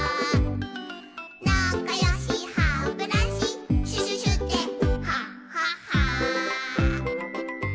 「なかよしハブラシシュシュシュでハハハ」